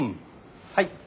はい。